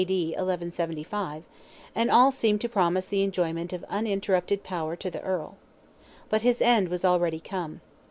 D. 1175), and all seemed to promise the enjoyment of uninterrupted power to the Earl. But his end was already come.